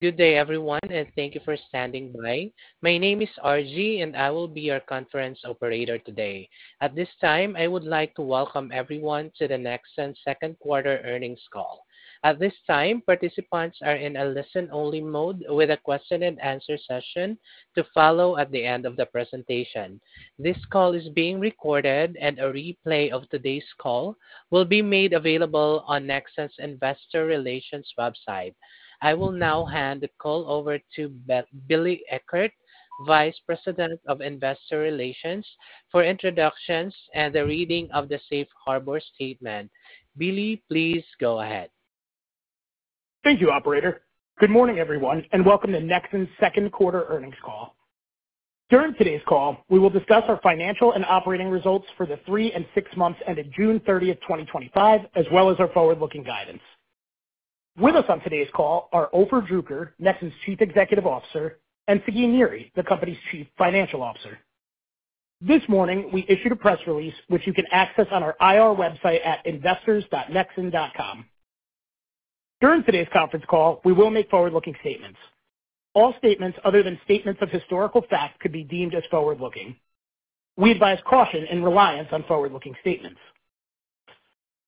Good day, everyone, and thank you for standing by. My name is Arji, and I will be your conference operator today. At this time, I would like to welcome everyone to Nexxen's Second Quarter Earnings Call. At this time, participants are in a listen-only mode with a question-and-answer session to follow at the end of the presentation. This call is being recorded, and a replay of today's call will be made available on Nexxen's Investor Relations website. I will now hand the call over to Billy Eckert, Vice President of Investor Relations, for introductions and the reading of the Safe Harbor Statement. Billy, please go ahead. Thank you, Operator. Good morning, everyone, and welcome to Nexxen's Second Quarter Earnings Call. During today's call, we will discuss our financial and operating results for the three and six months ended June 30, 2025, as well as our forward-looking guidance. With us on today's call are Ofer Druker, Nexxen Chief Executive Officer, and Sagi Niri, the company's Chief Financial Officer. This morning, we issued a press release, which you can access on our IR website at investors.nexxen.com. During today's conference call, we will make forward-looking statements. All statements other than statements of historical fact could be deemed as forward-looking. We advise caution and reliance on forward-looking statements.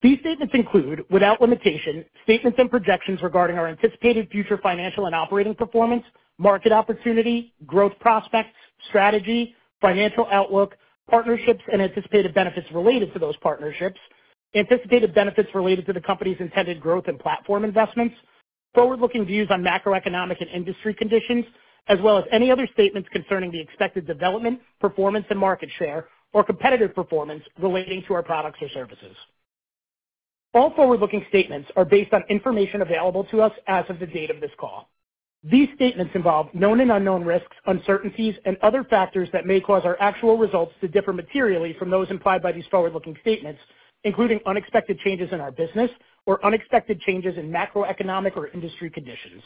These statements include, without limitation, statements and projections regarding our anticipated future financial and operating performance, market opportunity, growth prospects, strategy, financial outlook, partnerships, and anticipated benefits related to those partnerships, anticipated benefits related to the company's intended growth and platform investments, forward-looking views on macroeconomic and industry conditions, as well as any other statements concerning the expected development, performance, and market share, or competitive performance relating to our products or services. All forward-looking statements are based on information available to us as of the date of this call. These statements involve known and unknown risks, uncertainties, and other factors that may cause our actual results to differ materially from those implied by these forward-looking statements, including unexpected changes in our business or unexpected changes in macroeconomic or industry conditions.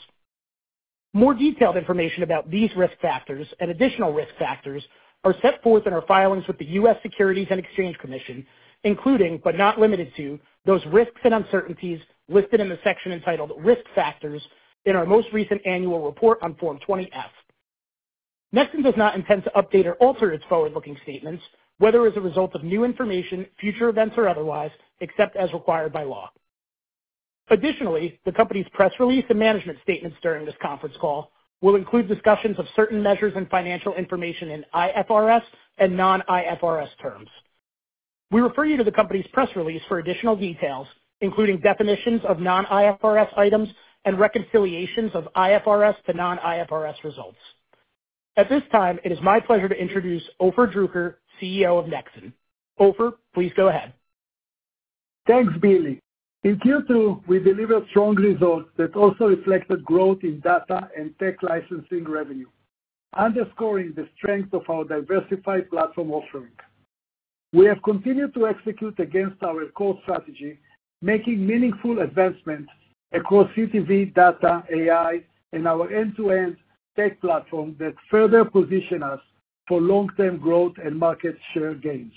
More detailed information about these risk factors and additional risk factors are set forth in our filings with the U.S. Securities and Exchange Commission, including, but not limited to, those risks and uncertainties listed in the section entitled Risk Factors in our most recent annual report on Form 20-F. Nexxen does not intend to update or alter its forward-looking statements, whether as a result of new information, future events, or otherwise, except as required by law. Additionally, the company's press release and management statements during this conference call will include discussions of certain measures and financial information in IFRS and non-IFRS terms. We refer you to the company's press release for additional details, including definitions of non-IFRS items and reconciliations of IFRS to non-IFRS results. At this time, it is my pleasure to introduce Ofer Druker, CEO of Nexxen. Ofer? Please go ahead. Thanks, Billy. In Q2, we delivered strong results that also reflect the growth in data and tech licensing revenue, underscoring the strength of our diversified platform offering. We have continued to execute against our core strategy, making meaningful advancements across CTV, data, AI, and our end-to-end tech platform that further position us for long-term growth and market share gains.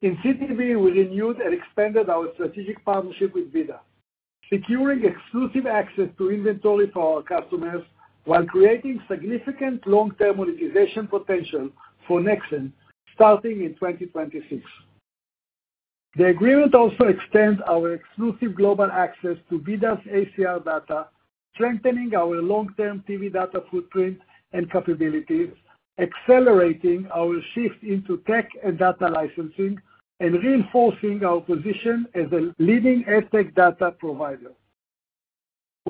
In CTV, we renewed and expanded our strategic partnership with VIDAA, securing exclusive access to inventory for our customers while creating significant long-term monetization potential for Nexxen starting in 2026. The agreement also extends our exclusive global access to VIDAA’s ACR data, strengthening our long-term TV data footprint and capabilities, accelerating our shift into tech and data licensing, and reinforcing our position as a leading ad tech data provider.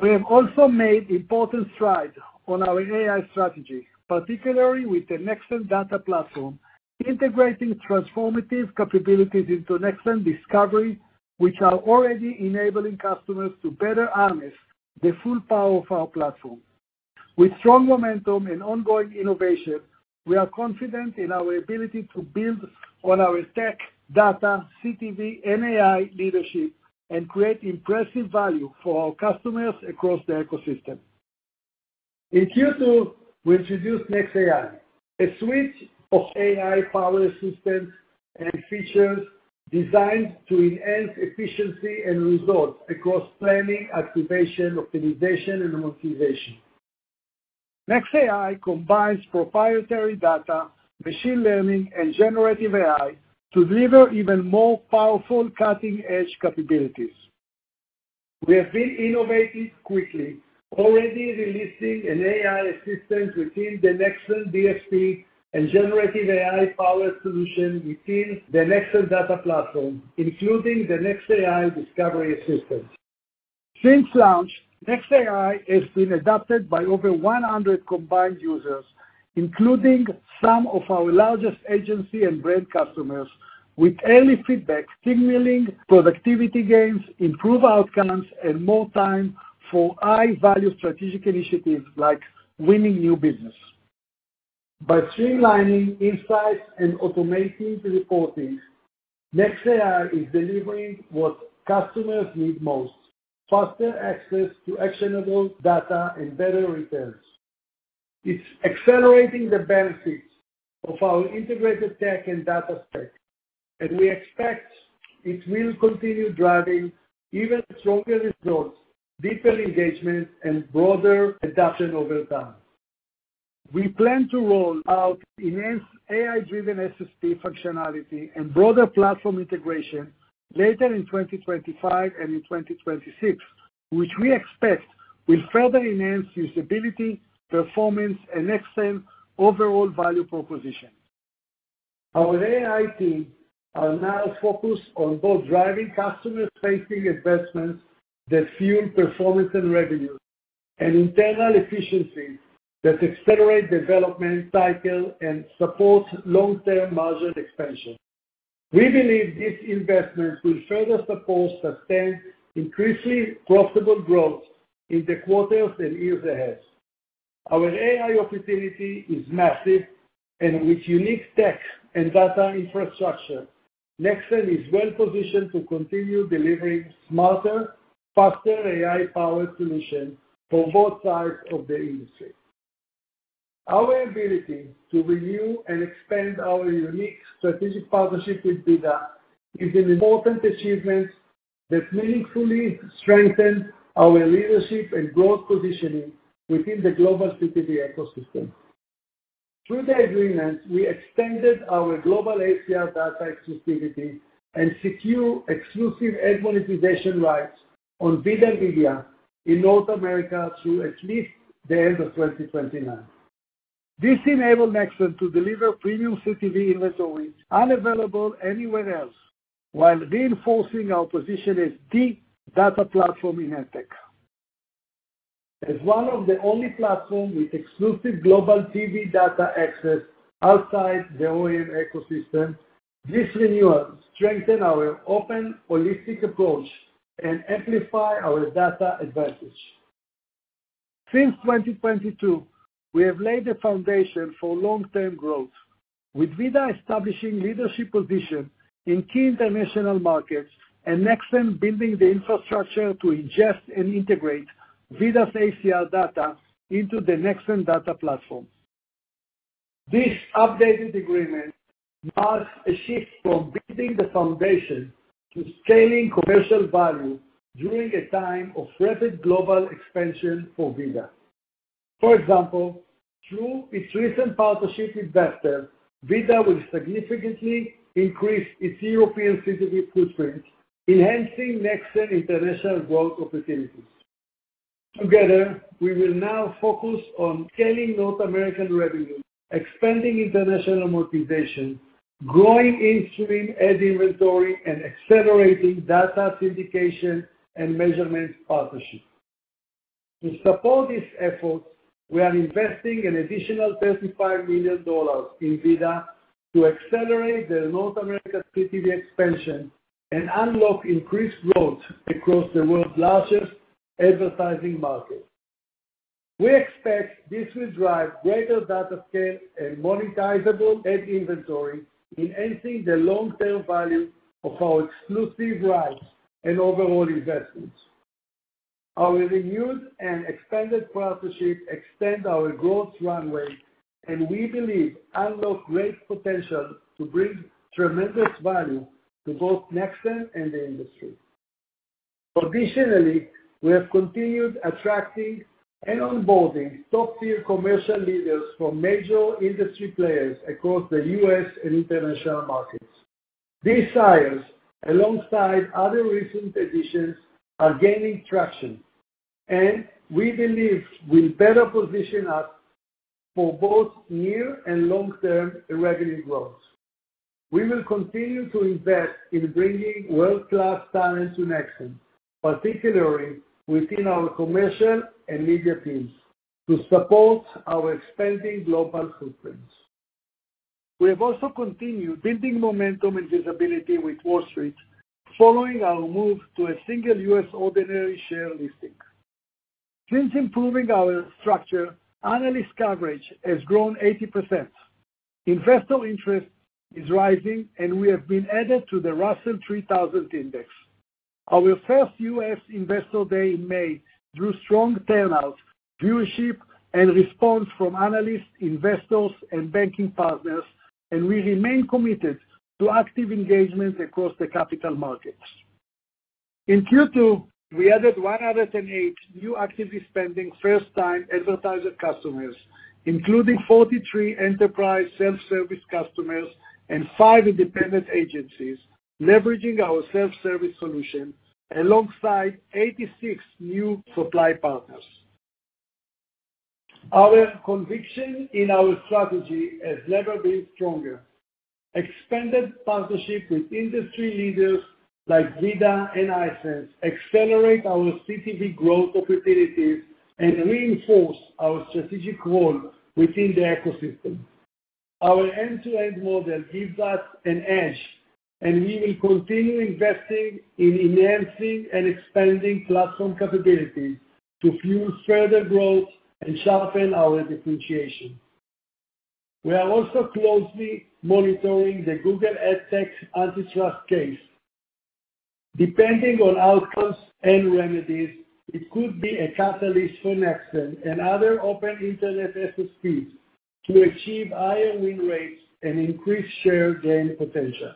We have also made important strides on our AI strategy, particularly with the Nexxen Data Platform, integrating transformative capabilities into Nexxen Discovery, which are already enabling customers to better harness the full power of our platform. With strong momentum and ongoing innovation, we are confident in our ability to build on our tech, data, CTV, and AI leadership and create impressive value for our customers across the ecosystem. In Q2, we introduced nexAI, a suite of AI-powered assistance and features designed to enhance efficiency and results across planning, activation, optimization, and monetization. nexAI combines proprietary data, machine learning, and generative AI to deliver even more powerful cutting-edge capabilities. We have been innovating quickly, already releasing an AI assistant within the Nexxen DSP and generative AI-powered solution within the Nexxen Data Platform, including the nexAI Discovery Assistant. Since launch, nexAI has been adopted by over 100 combined users, including some of our largest agency and brand customers, with early feedback signaling productivity gains, improved outcomes, and more time for high-value strategic initiatives like winning new business. By streamlining insights and automating reporting, nexAI is delivering what customers need most: faster access to actionable data and better returns. It's accelerating the benefits of our integrated tech and data stack, and we expect it will continue driving even stronger results, deeper engagement, and broader adoption over time. We plan to roll out enhanced AI-driven SSD functionality and broader platform integration later in 2025 and in 2026, which we expect will further enhance usability, performance, and Nexxen's overall value proposition. Our AI teams are now focused on both driving customer-facing investments that fuel performance and revenue, and internal efficiency that accelerate development cycles and support long-term margin expansion. We believe this investment will further support the planned, increasingly profitable growth in the quarters and years ahead. Our AI opportunity is massive, and with unique tech and data infrastructure, Nexxen is well-positioned to continue delivering smarter, faster AI-powered solutions for both sides of the industry. Our ability to renew and expand our unique strategic partnership with VIDAA is an important achievement that meaningfully strengthens our leadership and growth positioning within the global CTV ecosystem. Through the agreement, we extended our global ACR data exclusivity and secured exclusive ad monetization rights on VIDAA and VIDAA in North America through at least the end of 2029. This enabled Nexxen to deliver premium CTV inventory unavailable anywhere else, while reinforcing our position as the data platform in ad tech. As one of the only platforms with exclusive global TV data access outside the OEM ecosystem, this renewal strengthens our open, holistic approach and amplifies our data advantage. Since 2022, we have laid the foundation for long-term growth, with VIDAA establishing a leadership position in key international markets and Nexxen building the infrastructure to ingest and integrate VIDAA’s ACR data into the Nexxen Data Platform. This updated agreement marks a shift from building the foundation to scaling commercial value during a time of rapid global expansion for VIDAA. For example, through its recent partnership with Vector, VIDAA will significantly increase its European CTV footprint, enhancing Nexxen's international growth opportunities. Together, we will now focus on scaling North American revenue, expanding international monetization, growing in-stream ad inventory, and accelerating data syndication and measurement partnerships. To support this effort, we are investing an additional $35 million in VIDAA to accelerate the North American CTV expansion and unlock increased growth across the world's largest advertising market. We expect this will drive greater data scale and monetizable ad inventory, enhancing the long-term value of our exclusive rights and overall investments. Our renewed and expanded partnership extends our growth runway, and we believe it unlocks great potential to bring tremendous value to both Nexxen and the industry. Additionally, we have continued attracting and onboarding top-tier commercial leaders from major industry players across the U.S. and international markets. These hires, alongside other recent additions, are gaining traction, and we believe it will better position us for both near and long-term revenue growth. We will continue to invest in bringing world-class talent to Nexxen, particularly within our Commercial and Media teams, to support our expanding global footprint. We have also continued building momentum and visibility with Wall Street, following our move to a single U.S. ordinary share listing. Since improving our structure, analyst coverage has grown 80%. Investor interest is rising, and we have been added to the Russell 3000 Index. Our first U.S. Investor Day in May drew strong turnout, viewership, and response from analysts, investors, and banking partners, and we remain committed to active engagement across the capital markets. In Q2, we added 108 new actively spending first-time advertiser customers, including 43 enterprise self-service customers and five independent agencies, leveraging our self-service solution alongside 86 new supply partners. Our conviction in our strategy has never been stronger. Expanded partnerships with industry leaders like VIDAA and iSense accelerate our CTV growth opportunities and reinforce our strategic role within the ecosystem. Our end-to-end model gives us an edge, and we will continue investing in enhancing and expanding platform capabilities to fuel further growth and sharpen our differentiation. We are also closely monitoring the Google AdTech antitrust case. Depending on outcomes and remedies, that could be a catalyst for Nexxen and other open internet SSPs to achieve higher win rates and increased share gain potential.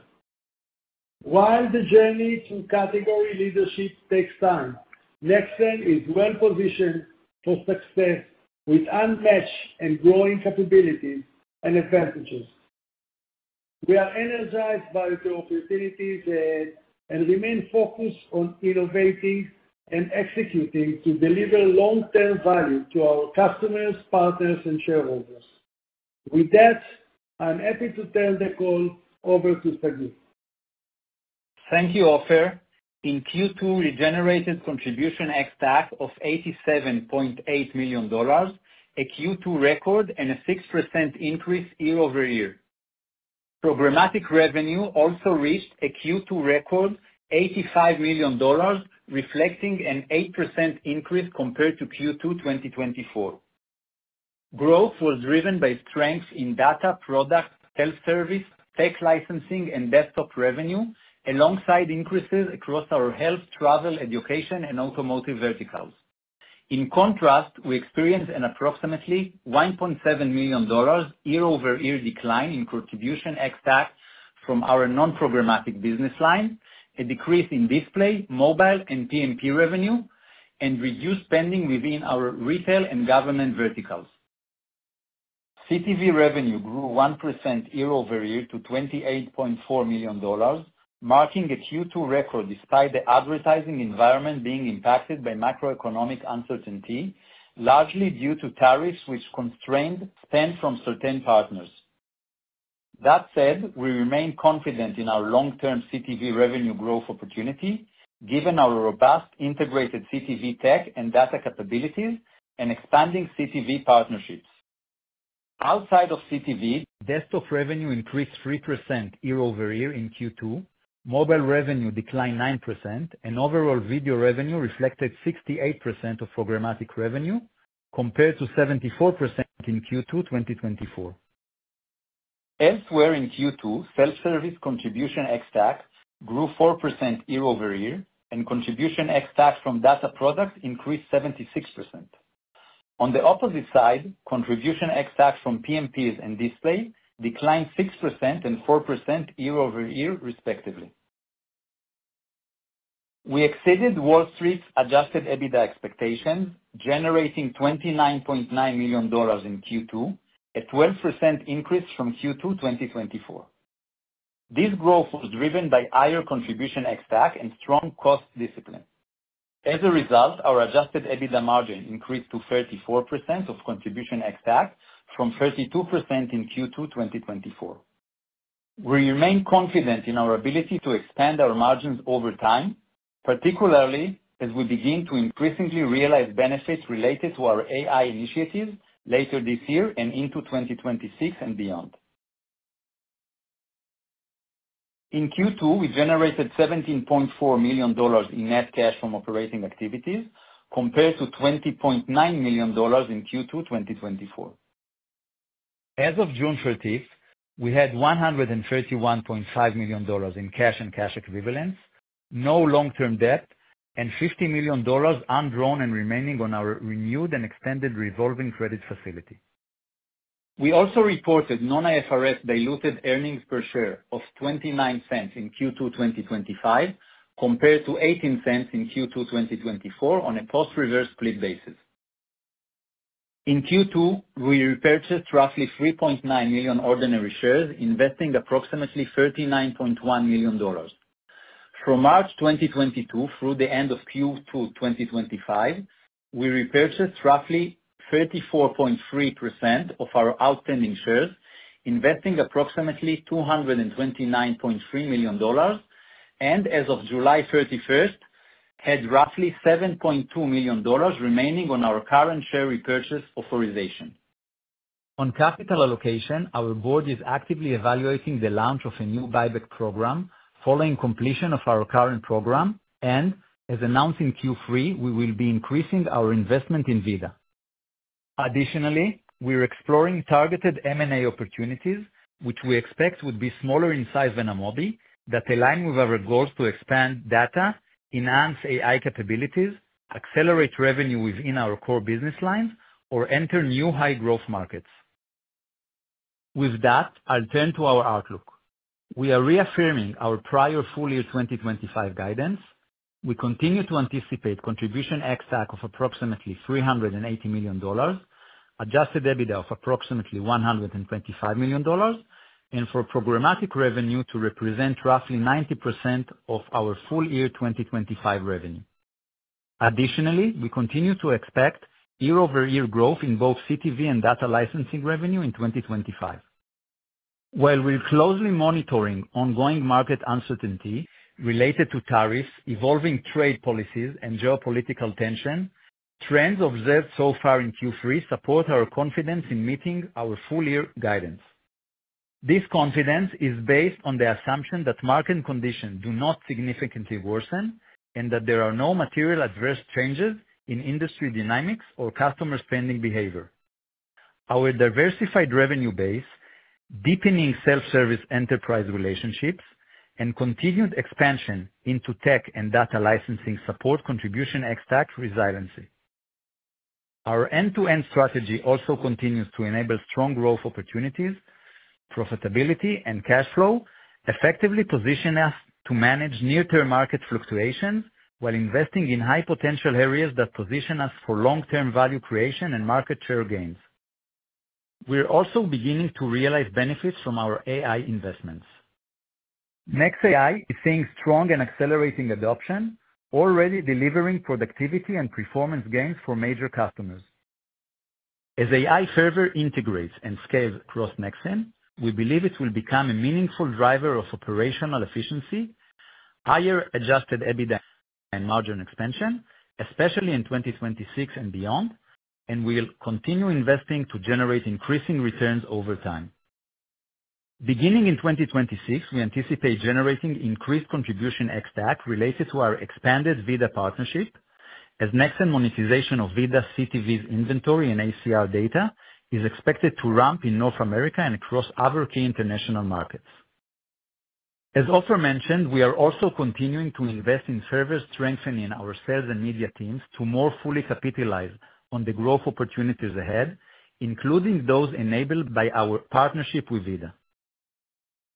While the journey to category leadership takes time, Nexxen is well-positioned for success with unmatched and growing capabilities and advantages. We are energized by its opportunities and remain focused on innovating and executing to deliver long-term value to our customers, partners, and shareholders. With that, I'm happy to turn the call over to Sagi. Thank you, Ofer. In Q2, we generated contribution ex-tax of $87.8 million, a Q2 record and a 6% increase year over year. Programmatic revenue also reached a Q2 record, $85 million, reflecting an 8% increase compared to Q2 2024. Growth was driven by strengths in data, products, self-service, tech licensing, and desktop revenue, alongside increases across our health, travel, education, and automotive verticals. In contrast, we experienced an approximately $1.7 million year-over-year decline in contribution ex-tax from our non-programmatic business line, a decrease in display, mobile, and PMP revenue, and reduced spending within our retail and government verticals. CTV revenue grew 1% year-over-year to $28.4 million, marking a Q2 record despite the advertising environment being impacted by macroeconomic uncertainty, largely due to tariffs which constrained spend from certain partners. That said, we remain confident in our long-term CTV revenue growth opportunity, given our robust integrated CTV tech and data capabilities and expanding CTV partnerships. Outside of CTV, desktop revenue increased 3% year-over-year in Q2, mobile revenue declined 9%, and overall video revenue reflected 68% of programmatic revenue, compared to 74% in Q2 2024. Elsewhere in Q2, self-service contribution ex-tax grew 4% year-over-year, and contribution ex-tax from data products increased 76%. On the opposite side, contribution ex-tax from PMPs and display declined 6% and 4% year-over-year, respectively. We exceeded Wall Street's adjusted EBITDA expectations, generating $29.9 million in Q2, a 12% increase from Q2 2024. This growth was driven by higher contribution ex-tax and strong cost discipline. As a result, our adjusted EBITDA margin increased to 34% of contribution ex-tax, from 32% in Q2 2024. We remain confident in our ability to expand our margins over time, particularly as we begin to increasingly realize benefits related to our AI initiatives later this year and into 2026 and beyond. In Q2, we generated $17.4 million in net cash from operating activities, compared to $20.9 million in Q2 2024. As of June 30, we had $131.5 million in cash and cash equivalents, no long-term debt, and $50 million undrawn and remaining on our renewed and extended revolving credit facility. We also reported non-IFRS diluted earnings per share of $0.29 in Q2 2025, compared to $0.18 in Q2 2024 on a post-reverse split basis. In Q2, we repurchased roughly 3.9 million ordinary shares, investing approximately $39.1 million. From March 2022 through the end of Q2 2025, we repurchased roughly 34.3% of our outstanding shares, investing approximately $229.3 million, and as of July 31, had roughly $7.2 million remaining on our current share repurchase authorization. On capital allocation, our Board is actively evaluating the launch of a new buyback program following completion of our current program, and as announced in Q3, we will be increasing our investment in VIDAA. Additionally, we are exploring targeted M&A opportunities, which we expect would be smaller in size than a MOBI, that align with our goals to expand data, enhance AI capabilities, accelerate revenue within our core business lines, or enter new high-growth markets. With that, I'll turn to our outlook. We are reaffirming our prior full-year 2025 guidance. We continue to anticipate contribution ex-tax of approximately $380 million, adjusted EBITDA of approximately $125 million, and for programmatic revenue to represent roughly 90% of our full-year 2025 revenue. Additionally, we continue to expect year-over-year growth in both CTV and data licensing revenue in 2025. While we're closely monitoring ongoing market uncertainty related to tariffs, evolving trade policies, and geopolitical tension, trends observed so far in Q3 support our confidence in meeting our full-year guidance. This confidence is based on the assumption that market conditions do not significantly worsen and that there are no material adverse changes in industry dynamics or customer spending behavior. Our diversified revenue base, deepening self-service enterprise relationships, and continued expansion into tech and data licensing support contribution ex-tax resiliency. Our end-to-end strategy also continues to enable strong growth opportunities, profitability, and cash flow, effectively positioning us to manage near-term market fluctuations while investing in high-potential areas that position us for long-term value creation and market share gains. We're also beginning to realize benefits from our AI investments. NexAI is seeing strong and accelerating adoption, already delivering productivity and performance gains for major customers. As AI further integrates and scales across Nexxen, we believe it will become a meaningful driver of operational efficiency, higher adjusted EBITDA and margin expansion, especially in 2026 and beyond, and we'll continue investing to generate increasing returns over time. Beginning in 2026, we anticipate generating increased contribution ex-tax related to our expanded VIDAA partnership, as Nexxen's monetization of VIDAA CTV's inventory and ACR data is expected to ramp in North America and across other key international markets. As Ofer mentioned, we are also continuing to invest in further strengthening our sales and media teams to more fully capitalize on the growth opportunities ahead, including those enabled by our partnership with VIDAA.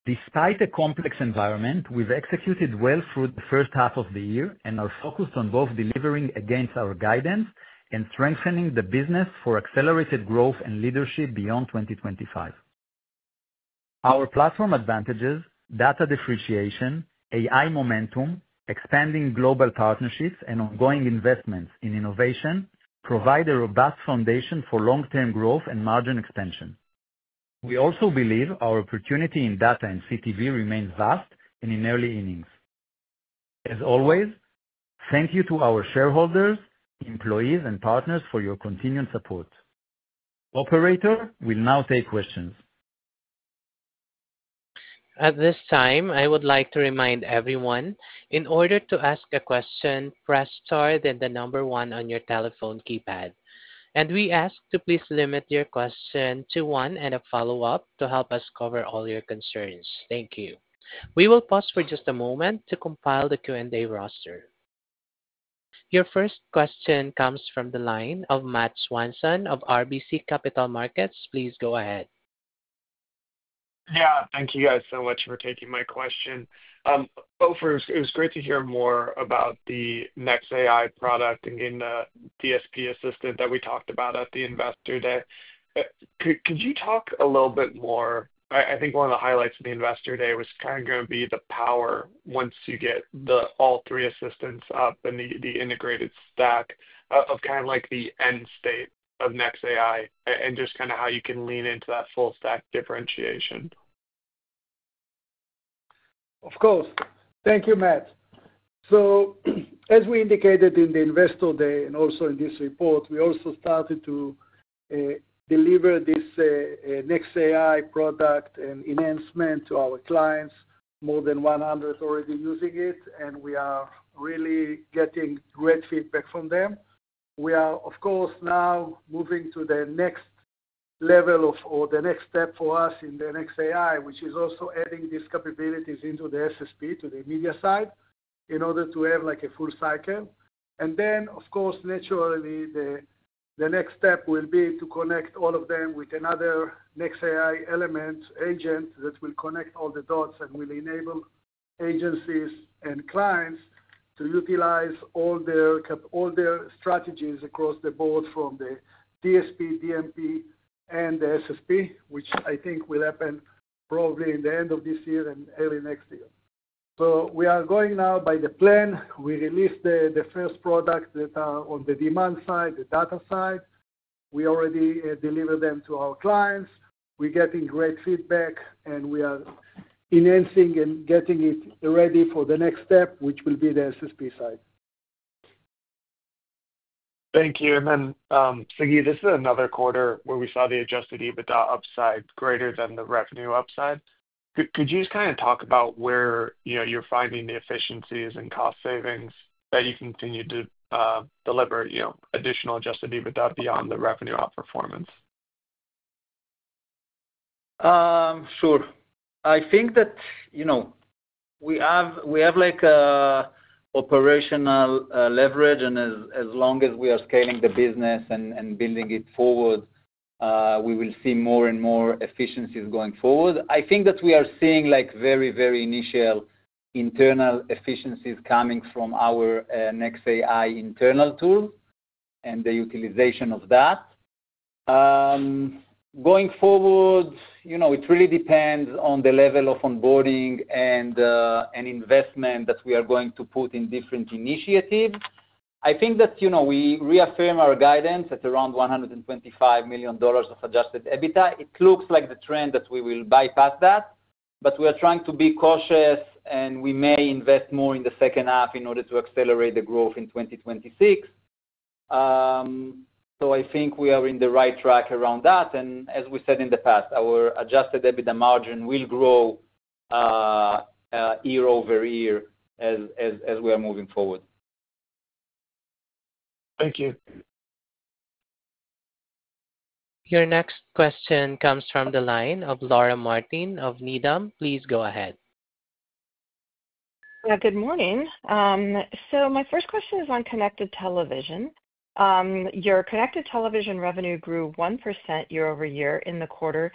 Despite a complex environment, we've executed well through the first half of the year, and are focused on both delivering against our guidance and strengthening the business for accelerated growth and leadership beyond 2025. Our platform advantages, data differentiation, AI momentum, expanding global partnerships, and ongoing investments in innovation provide a robust foundation for long-term growth and margin expansion. We also believe our opportunity in data and CTV remains vast and in early innings. As always, thank you to our shareholders, employees, and partners for your continued support. Operator, we'll now take questions. At this time, I would like to remind everyone, in order to ask a question, press star then the number one on your telephone keypad. We ask to please limit your question to one and a follow-up to help us cover all your concerns. Thank you. We will pause for just a moment to compile the Q&A roster. Your first question comes from the line of Matt Swanson of RBC Capital Markets. Please go ahead. Thank you guys so much for taking my question. It was great to hear more about the NexAI product and getting the DSP assistant that we talked about at the Investor Day. Could you talk a little bit more? I think one of the highlights of the Investor Day was kind of going to be the power once you get all three assistants up and the integrated stack of kind of like the end state of NexAI and just kind of how you can lean into that full stack differentiation. Of course. Thank you, Matt. As we indicated in the Investor Day and also in this report, we also started to deliver this NexAI product and enhancement to our clients. More than 100 are already using it, and we are really getting great feedback from them. We are now moving to the next level or the next step for us in the NexAI, which is also adding these capabilities into the SSP, to the media side, in order to have a full cycle. Naturally, the next step will be to connect all of them with another NexAI element, agent that will connect all the dots and will enable agencies and clients to utilize all their strategies across the board from the DSP, DMP, and the SSP, which I think will happen probably in the end of this year and early next year. We are going now by the plan. We released the first products that are on the demand side, the data side. We already delivered them to our clients. We're getting great feedback, and we are enhancing and getting it ready for the next step, which will be the SSP side. Thank you. Sagi, this is another quarter where we saw the adjusted EBITDA upside greater than the revenue upside. Could you just kind of talk about where you're finding the efficiencies and cost savings that you continue to deliver additional adjusted EBITDA beyond the revenue outperformance? Sure. I think that, you know, we have like an operational leverage, and as long as we are scaling the business and building it forward, we will see more and more efficiencies going forward. I think that we are seeing like very, very initial internal efficiencies coming from our NexAI internal tool and the utilization of that. Going forward, it really depends on the level of onboarding and investment that we are going to put in different initiatives. I think that, you know, we reaffirm our guidance at around $125 million of adjusted EBITDA. It looks like the trend that we will bypass that, but we are trying to be cautious, and we may invest more in the second half in order to accelerate the growth in 2026. I think we are in the right track around that, and as we said in the past, our adjusted EBITDA margin will grow year over year as we are moving forward. Thank you. Your next question comes from the line of Laura Martin of Needham. Please go ahead. Yeah, good morning. My first question is on connected television. Your connected television revenue grew 1% year over year in the quarter,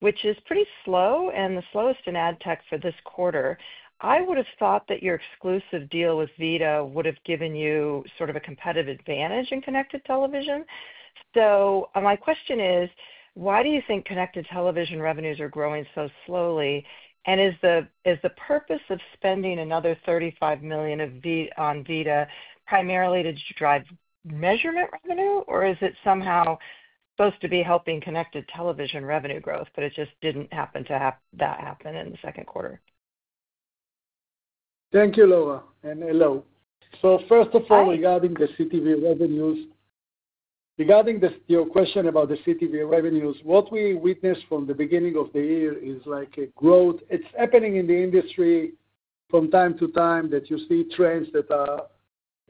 which is pretty slow and the slowest in ad tech for this quarter. I would have thought that your exclusive deal with VIDAA would have given you sort of a competitive advantage in connected television. My question is, why do you think connected television revenues are growing so slowly? Is the purpose of spending another $35 million on VIDAA primarily to drive measurement revenue, or is it somehow supposed to be helping connected television revenue growth, but it just didn't happen to have that happen in the second quarter? Thank you, Laura, and hello. First of all, regarding the CTV revenues, regarding your question about the CTV revenues, what we witnessed from the beginning of the year is like a growth. It's happening in the industry from time to time that you see trends that are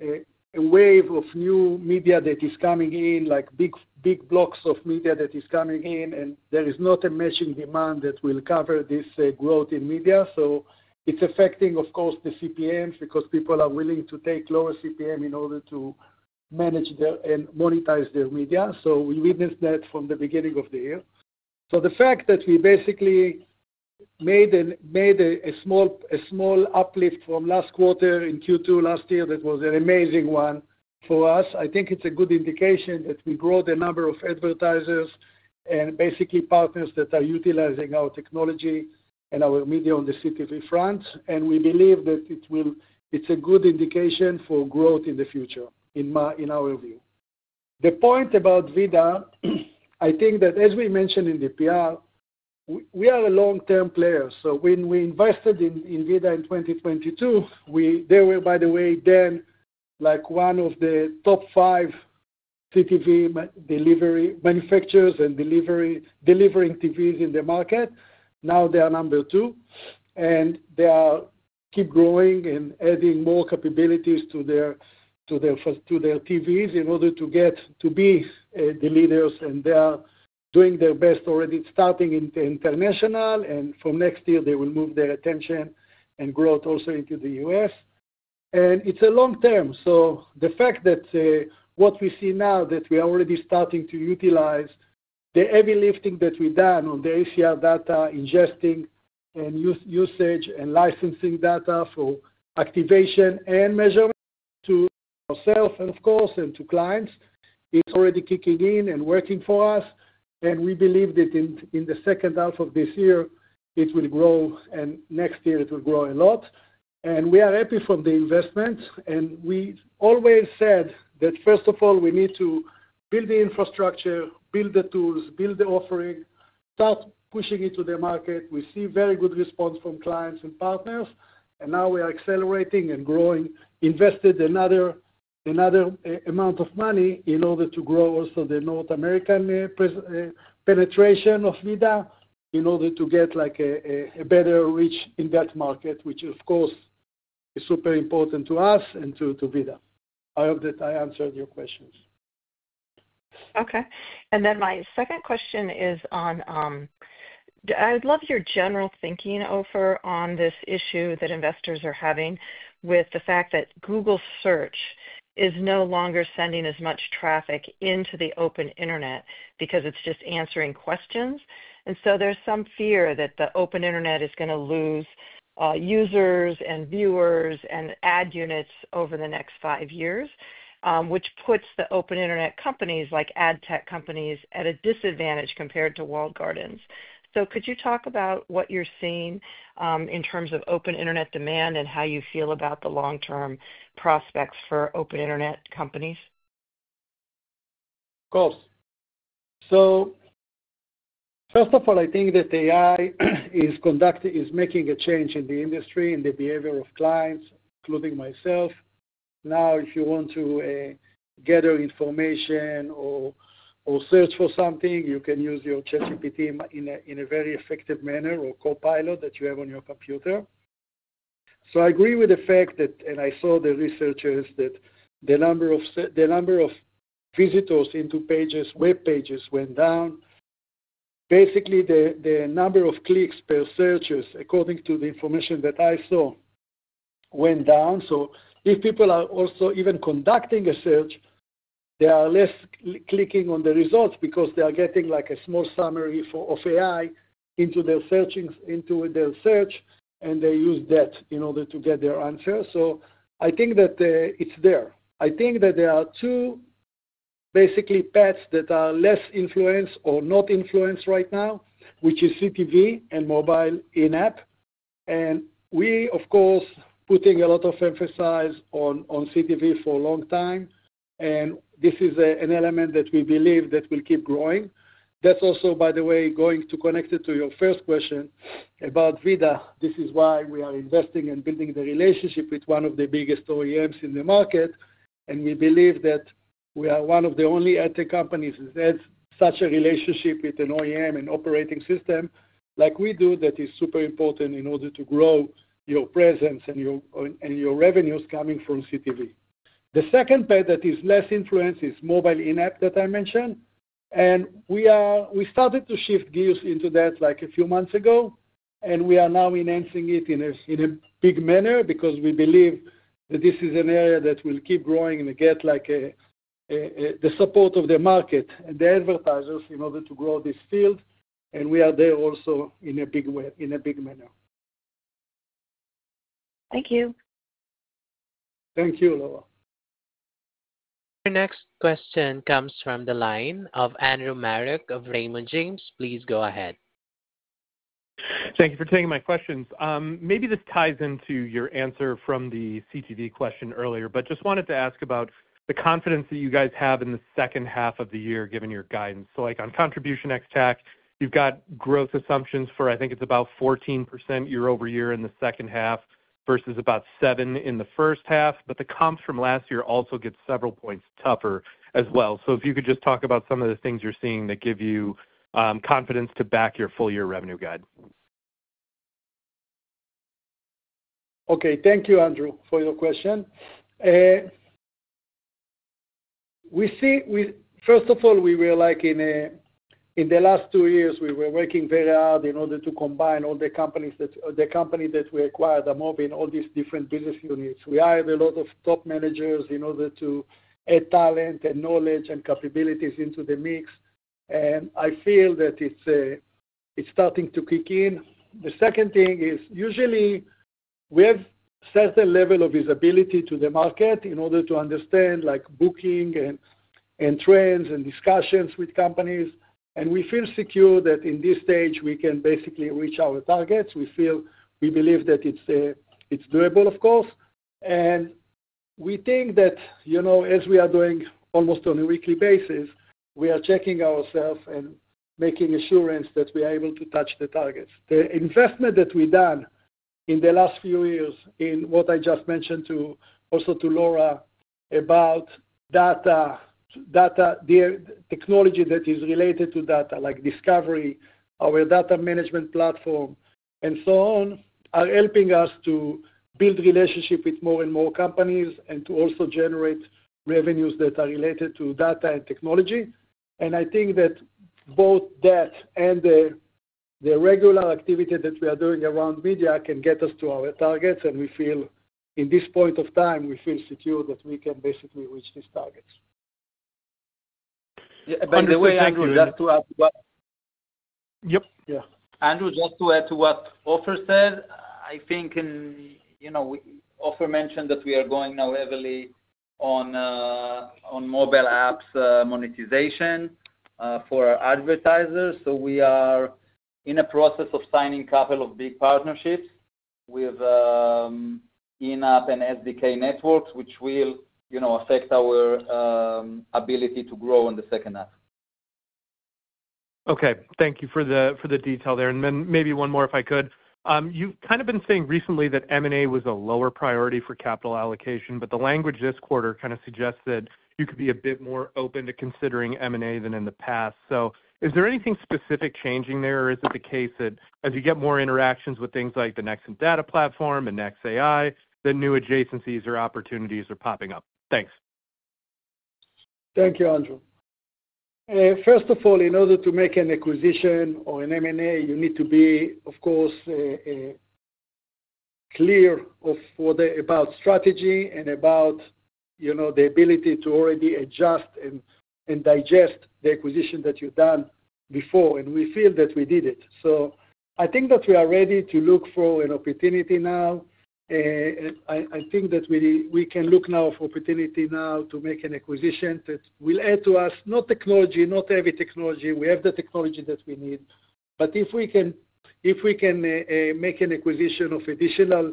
a wave of new media that is coming in, like big blocks of media that is coming in, and there is not a matching demand that will cover this growth in media. It's affecting, of course, the CPMs because people are willing to take lower CPM in order to manage their and monetize their media. We witnessed that from the beginning of the year. The fact that we basically made a small uplift from last quarter in Q2 last year that was an amazing one for us, I think it's a good indication that we brought a number of advertisers and basically partners that are utilizing our technology and our media on the CTV front, and we believe that it's a good indication for growth in the future, in our view. The point about VIDAA, I think that as we mentioned in the PR, we are a long-term player. When we invested in VIDAA in 2022, they were, by the way, then like one of the top five CTV delivery manufacturers and delivering TVs in the market. Now they are number two, and they keep growing and adding more capabilities to their TVs in order to get to be the leaders, and they are doing their best already starting in international, and from next year, they will move their attention and growth also into the U.S. It's a long term. The fact that what we see now that we are already starting to utilize the heavy lifting that we've done on the ACR data, ingesting and usage and licensing data for activation and measurement to ourselves, and of course, and to clients, it's already kicking in and working for us, and we believe that in the second half of this year, it will grow, and next year, it will grow a lot. We are happy from the investment, and we always said that first of all, we need to build the infrastructure, build the tools, build the offering, start pushing it to the market. We see very good response from clients and partners, and now we are accelerating and growing, invested another amount of money in order to grow also the North American penetration of VIDAA in order to get like a better reach in that market, which, of course, is super important to us and to VIDAA. I hope that I answered your questions. Okay. My second question is on, I'd love your general thinking over on this issue that investors are having with the fact that Google Search is no longer sending as much traffic into the open internet because it's just answering questions. There's some fear that the open internet is going to lose users and viewers and ad units over the next five years, which puts the open internet companies like ad tech companies at a disadvantage compared to walled gardens. Could you talk about what you're seeing in terms of open internet demand and how you feel about the long-term prospects for open internet companies? Of course. First of all, I think that AI is making a change in the industry, in the behavior of clients, including myself. Now, if you want to gather information or search for something, you can use your ChatGPT in a very effective manner or Copilot that you have on your computer. I agree with the fact that, and I saw the researchers, that the number of visitors into pages, web pages went down. Basically, the number of clicks per searches, according to the information that I saw, went down. If people are also even conducting a search, they are less clicking on the results because they are getting like a small summary of AI into their search, and they use that in order to get their answers. I think that it's there. I think that there are two basically paths that are less influenced or not influenced right now, which is CTV and mobile in-app. We, of course, are putting a lot of emphasis on CTV for a long time, and this is an element that we believe that will keep growing. That's also, by the way, going to connect it to your first question about VIDAA. This is why we are investing and building the relationship with one of the biggest OEMs in the market, and we believe that we are one of the only ad tech companies that has such a relationship with an OEM and operating system like we do that is super important in order to grow your presence and your revenues coming from CTV. The second path that is less influenced is mobile in-app that I mentioned, and we started to shift gears into that like a few months ago, and we are now enhancing it in a big manner because we believe that this is an area that will keep growing and get like the support of the market and the advertisers in order to grow this field, and we are there also in a big way, in a big manner. Thank you. Thank you, Laura. Your next question comes from the line of Andrew Marok of Raymond James. Please go ahead. Thank you for taking my question. Maybe this ties into your answer from the CTV question earlier, but just wanted to ask about the confidence that you guys have in the second half of the year, given your guidance. On contribution ex-tax, you've got growth assumptions for, I think it's about 14% year-over-year in the second half versus about 7% in the first half, but the comps from last year also get several points tougher as well. If you could just talk about some of the things you're seeing that give you confidence to back your full-year revenue guide. Okay. Thank you, Andrew, for your question. First of all, we were, like, in the last two years, we were working very hard in order to combine all the companies that we acquired, the MOBI, and all these different business units. We hired a lot of top managers in order to add talent and knowledge and capabilities into the mix, and I feel that it's starting to kick in. The second thing is, usually, we have a certain level of visibility to the market in order to understand, like, booking and trends and discussions with companies, and we feel secure that in this stage, we can basically reach our targets. We feel we believe that it's doable, of course, and we think that, you know, as we are doing almost on a weekly basis, we are checking ourselves and making assurance that we are able to touch the targets. The investment that we've done in the last few years in what I just mentioned to also to Laura about data, data technology that is related to data, like Discovery, our data management platform, and so on, are helping us to build relationships with more and more companies and to also generate revenues that are related to data and technology. I think that both that and the regular activity that we are doing around media can get us to our targets, and we feel, in this point of time, we feel secure that we can basically reach these targets. Yeah. By the way, Andrew, just to add to what Ofer said, I think, and you know, Ofer mentioned that we are going now heavily on mobile apps monetization for advertisers. We are in a process of signing a couple of big partnerships with in-app and SDK networks, which will affect our ability to grow in the second half. Okay. Thank you for the detail there. Maybe one more if I could. You've kind of been saying recently that M&A was a lower priority for capital allocation, but the language this quarter kind of suggests that you could be a bit more open to considering M&A than in the past. Is there anything specific changing there, or is it the case that as you get more interactions with things like the Nexxen Data Platform and NexAI, the new adjacencies or opportunities are popping up? Thanks. Thank you, Andrew. First of all, in order to make an acquisition or an M&A, you need to be, of course, clear about strategy and about the ability to already adjust and digest the acquisition that you've done before, and we feel that we did it. I think that we are ready to look for an opportunity now. I think that we can look now for opportunity to make an acquisition that will add to us, not technology, not heavy technology. We have the technology that we need, but if we can make an acquisition of additional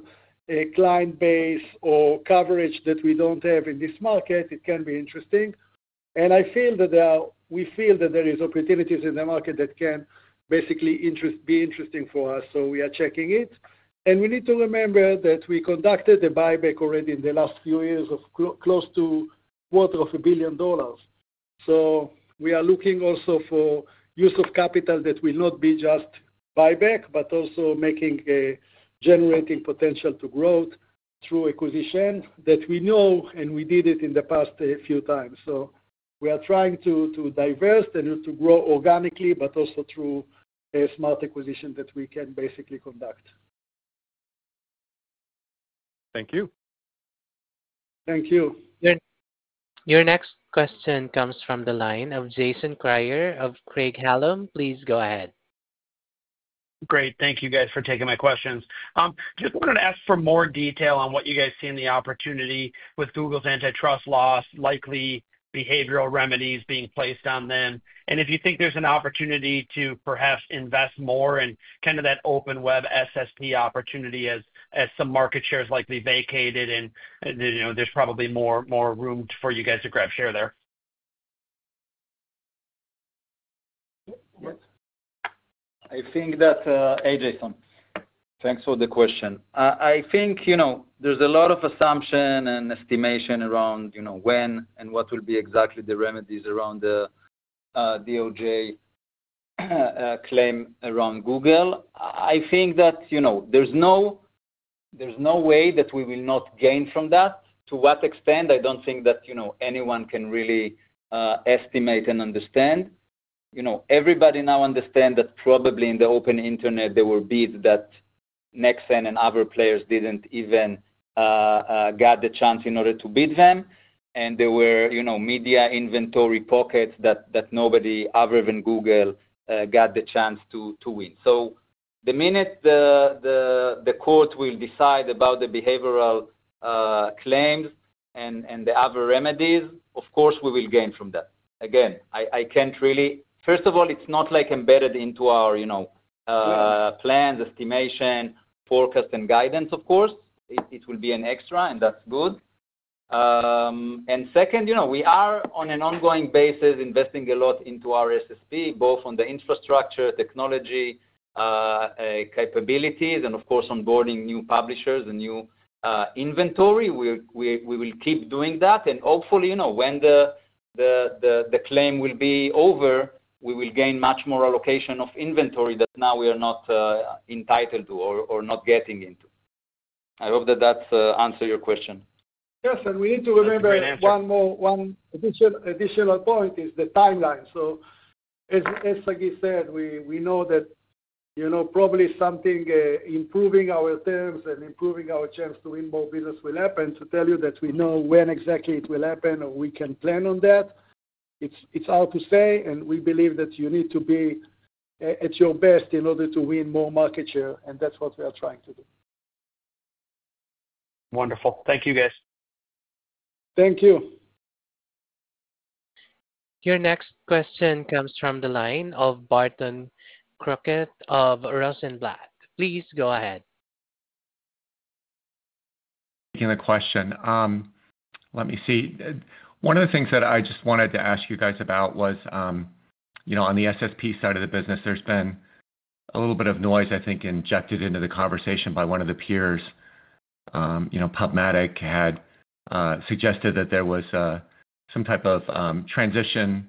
client base or coverage that we don't have in this market, it can be interesting. I feel that we feel that there are opportunities in the market that can basically be interesting for us. We are checking it. We need to remember that we conducted a buyback already in the last few years of close to $250 million. We are looking also for use of capital that will not be just buyback, but also making a generating potential to growth through acquisition that we know, and we did it in the past few times. We are trying to diverse and to grow organically, but also through a smart acquisition that we can basically conduct. Thank you. Thank you. Your next question comes from the line of Jason Kreyer of Craig-Hallum. Please go ahead. Great. Thank you guys for taking my questions. I just wanted to ask for more detail on what you guys see in the opportunity with Google's antitrust loss, likely behavioral remedies being placed on them. If you think there's an opportunity to perhaps invest more in kind of that open web SSP opportunity as some market share is likely vacated, you know there's probably more room for you guys to grab share there. I think that, hey Jason, thanks for the question. I think there's a lot of assumption and estimation around when and what will be exactly the remedies around the DOJ claim around Google. I think that there's no way that we will not gain from that. To what extent, I don't think that anyone can really estimate and understand. Everybody now understands that probably in the open internet, there were bids that Nexxen and other players didn't even get the chance in order to bid them, and there were media inventory pockets that nobody other than Google got the chance to win. The minute the court will decide about the behavioral claims and the other remedies, of course, we will gain from that. Again, I can't really, first of all, it's not like embedded into our plans, estimation, forecast, and guidance, of course. It will be an extra, and that's good. Second, we are on an ongoing basis investing a lot into our SSP, both on the infrastructure, technology, capabilities, and of course, onboarding new publishers and new inventory. We will keep doing that, and hopefully, when the claim will be over, we will gain much more allocation of inventory that now we are not entitled to or not getting into. I hope that that answers your question. Yes, we need to remember one more additional point is the timeline. As Sagi said, we know that probably something improving our terms and improving our chance to win more business will happen. To tell you that we know when exactly it will happen or we can plan on that, it's hard to say, and we believe that you need to be at your best in order to win more market share, and that's what we are trying to do. Wonderful. Thank you, guys. Thank you. Your next question comes from the line of Barton Crockett of Russ & Blatt. Please go ahead. I'm taking a question. Let me see. One of the things that I just wanted to ask you guys about was, you know, on the SSP side of the business, there's been a little bit of noise, I think, injected into the conversation by one of the peers. You know, PubMatic had suggested that there was some type of transition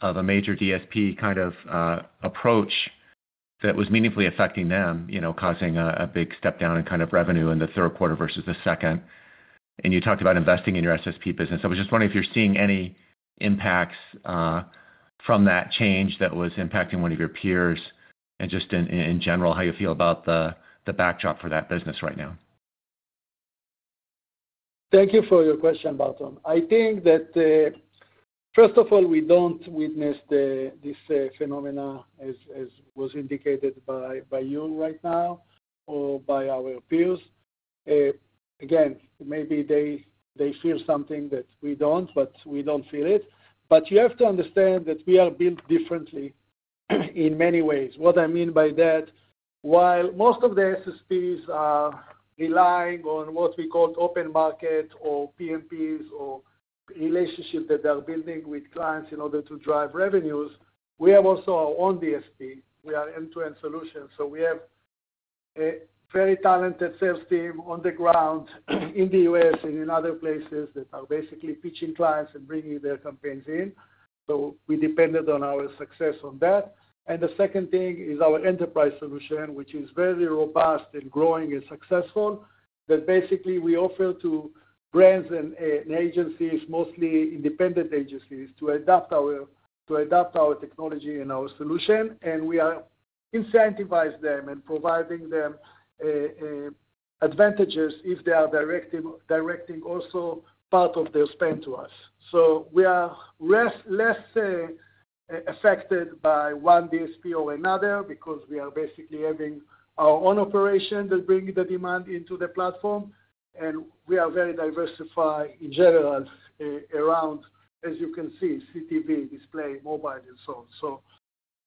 of a major DSP kind of approach that was meaningfully affecting them, you know, causing a big step down in kind of revenue in the third quarter versus the second. You talked about investing in your SSP business. I was just wondering if you're seeing any impacts from that change that was impacting one of your peers and just in general how you feel about the backdrop for that business right now. Thank you for your question, Barton. I think that, first of all, we don't witness this phenomenon as was indicated by you right now or by our peers. Maybe they hear something that we don't, but we don't feel it. You have to understand that we are built differently in many ways. What I mean by that, while most of the SSPs are relying on what we call open market or PMPs or relationships that they're building with clients in order to drive revenues, we have also our own DSP. We are end-to-end solutions. We have a very talented sales team on the ground in the U.S. and in other places that are basically pitching clients and bringing their campaigns in. We depended on our success on that. The second thing is our enterprise solution, which is very robust and growing and successful, that basically we offer to brands and agencies, mostly independent agencies, to adapt our technology and our solution, and we are incentivizing them and providing them advantages if they are directing also part of their spend to us. We are less affected by one DSP or another because we are basically having our own operation that brings the demand into the platform, and we are very diversified in general around, as you can see, CTV, display, mobile, and so on.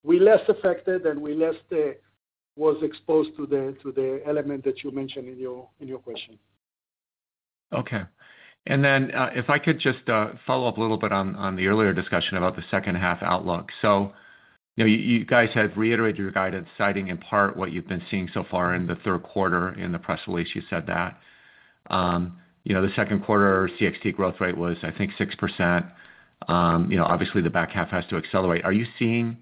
We're less affected and we're less exposed to the element that you mentioned in your question. Okay. If I could just follow up a little bit on the earlier discussion about the second half outlook. You guys had reiterated your guidance, citing in part what you've been seeing so far in the third quarter. In the press release, you said that the second quarter CTV growth rate was, I think, 6%. Obviously, the back half has to accelerate. Are you seeing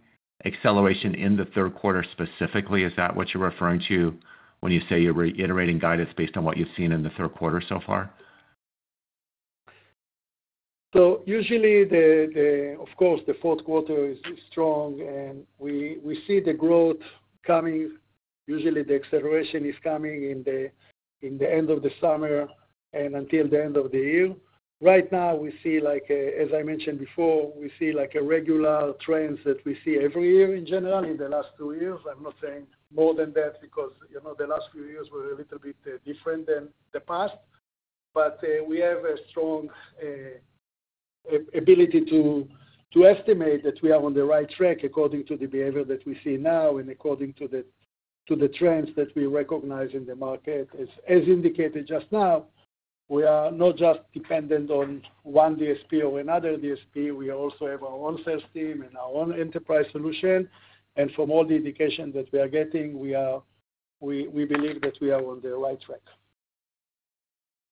acceleration in the third quarter specifically? Is that what you're referring to when you say you're reiterating guidance based on what you've seen in the third quarter so far? Usually, of course, the fourth quarter is strong, and we see the growth coming. Usually, the acceleration is coming in the end of the summer and until the end of the year. Right now, we see, like I mentioned before, we see regular trends that we see every year in general in the last two years. I'm not saying more than that because, you know, the last few years were a little bit different than the past, but we have a strong ability to estimate that we are on the right track according to the behavior that we see now and according to the trends that we recognize in the market. As indicated just now, we are not just dependent on one DSP or another DSP. We also have our own sales team and our own enterprise solution. From all the indications that we are getting, we believe that we are on the right track.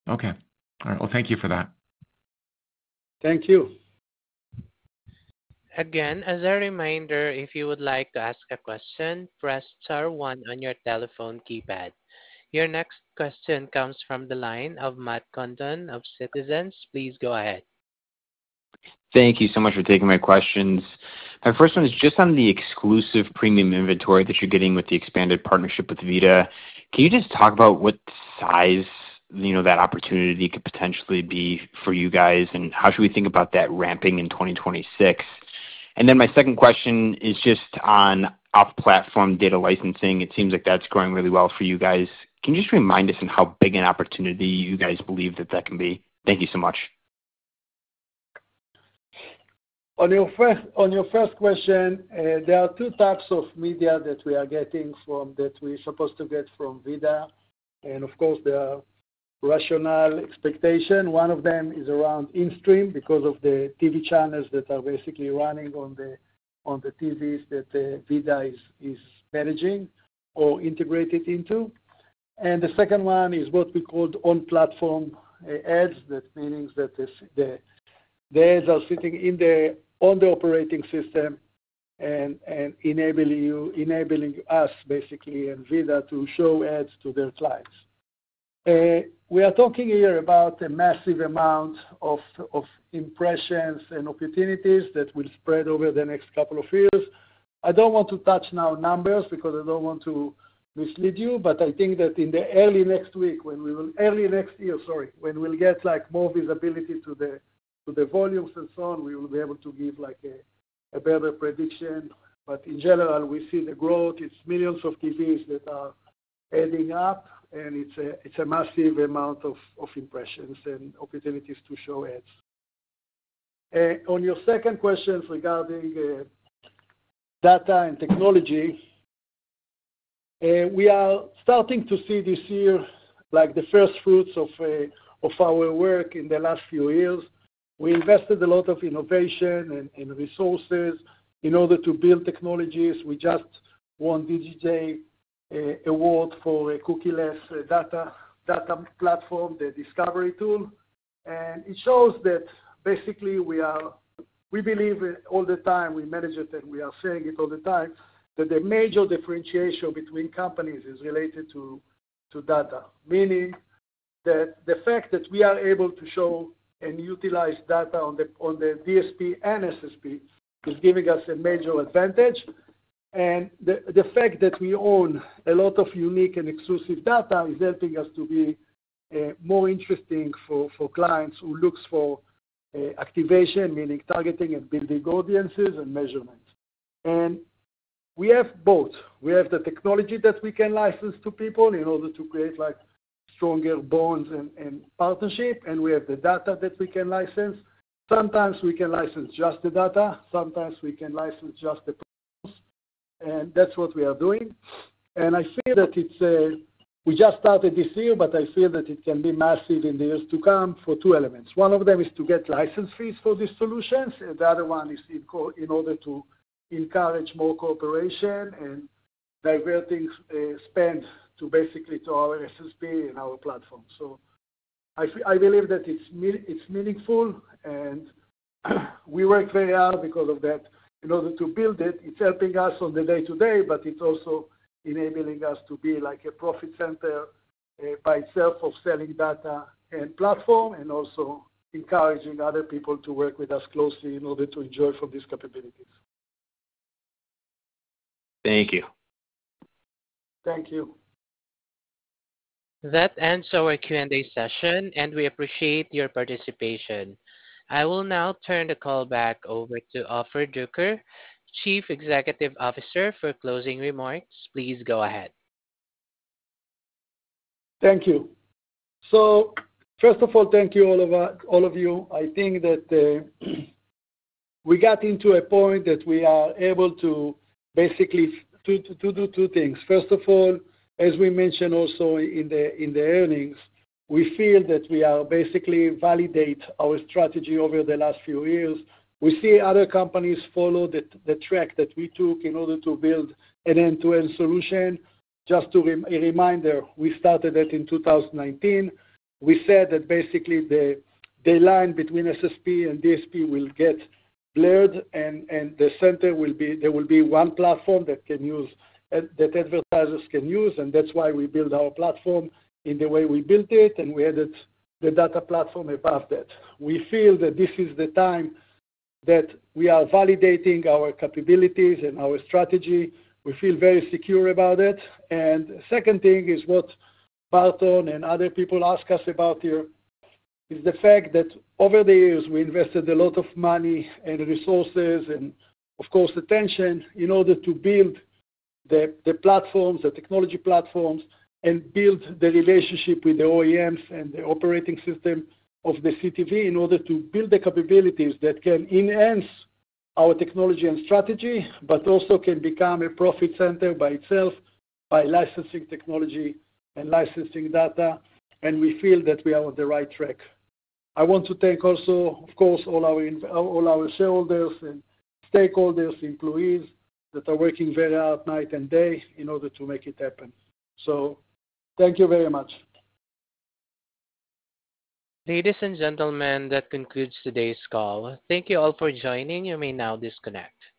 Okay. All right. Thank you for that. Thank you. Again, as a reminder, if you would like to ask a question, press star one on your telephone keypad. Your next question comes from the line of Matt Condon of Citizens. Please go ahead. Thank you so much for taking my questions. My first one is just on the exclusive premium inventory that you're getting with the expanded partnership with VIDAA. Can you just talk about what size, you know, that opportunity could potentially be for you guys, and how should we think about that ramping in 2026? My second question is just on off-platform data licensing. It seems like that's going really well for you guys. Can you just remind us in how big an opportunity you guys believe that that can be? Thank you so much. On your first question, there are two types of media that we are getting from that we're supposed to get from VIDAA. Of course, there are rational expectations. One of them is around in-stream because of the TV channels that are basically running on the TVs that VIDAA is managing or integrated into. The second one is what we call on-platform ads. That means that the ads are sitting on the operating system and enabling us, basically, and VIDAA to show ads to their clients. We are talking here about a massive amount of impressions and opportunities that will spread over the next couple of years. I don't want to touch now numbers because I don't want to mislead you, but I think that in early next year, when we'll get more visibility to the volumes and so on, we will be able to give a better prediction. In general, we see the growth. It's millions of TVs that are adding up, and it's a massive amount of impressions and opportunities to show ads. On your second question regarding data and technology, we are starting to see this year the first fruits of our work in the last few years. We invested a lot of innovation and resources in order to build technologies. We just won the Digiday Award for a cookie-less data platform, the Discovery tool. It shows that we believe all the time, we manage it and we are saying it all the time, that the major differentiation between companies is related to data, meaning that the fact that we are able to show and utilize data on the DSP and SSP is giving us a major advantage. The fact that we own a lot of unique and exclusive data is helping us to be more interesting for clients who look for activation, meaning targeting and building audiences and measurement. We have both. We have the technology that we can license to people in order to create stronger bonds and partnerships, and we have the data that we can license. Sometimes we can license just the data. Sometimes we can license just the technology. That's what we are doing. I feel that we just started this year, but I feel that it can be massive in the years to come for two elements. One of them is to get license fees for these solutions, and the other one is in order to encourage more cooperation and diverting spend to our SSP and our platform. I believe that it's meaningful, and we work very hard because of that in order to build it. It's helping us on the day-to-day, but it's also enabling us to be like a profit center by itself, selling data and platform, and also encouraging other people to work with us closely in order to enjoy from these capabilities. Thank you. Thank you. That ends our Q&A session, and we appreciate your participation. I will now turn the call back over to Ofer Druker, Chief Executive Officer, for closing remarks. Please go ahead. Thank you. First of all, thank you all of you. I think that we got into a point that we are able to basically do two things. First of all, as we mentioned also in the earnings, we feel that we are basically validating our strategy over the last few years. We see other companies follow the track that we took in order to build an end-to-end solution. Just a reminder, we started that in 2019. We said that basically the line between SSP and DSP will get blurred, and the center will be, there will be one platform that advertisers can use, and that's why we build our platform in the way we built it, and we added the data platform above that. We feel that this is the time that we are validating our capabilities and our strategy. We feel very secure about it. The second thing is what Barton and other people ask us about here is the fact that over the years, we invested a lot of money and resources and, of course, attention in order to build the platforms, the technology platforms, and build the relationship with the OEMs and the operating system of the CTV in order to build the capabilities that can enhance our technology and strategy, but also can become a profit center by itself by licensing technology and licensing data, and we feel that we are on the right track. I want to thank also, of course, all our shareholders and stakeholders, employees that are working very hard night and day in order to make it happen. Thank you very much. Ladies and gentlemen, that concludes today's call. Thank you all for joining. You may now disconnect.